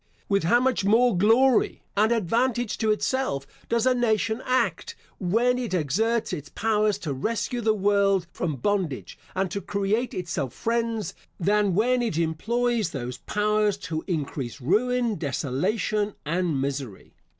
With how much more glory, and advantage to itself, does a nation act, when it exerts its powers to rescue the world from bondage, and to create itself friends, than when it employs those powers to increase ruin, desolation, and misery.